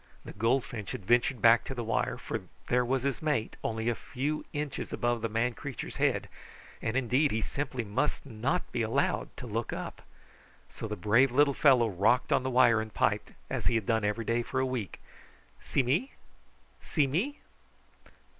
The goldfinch had ventured back to the wire, for there was his mate, only a few inches above the man creature's head; and indeed, he simply must not be allowed to look up, so the brave little fellow rocked on the wire and piped, as he had done every day for a week: "SEE ME? SEE ME?"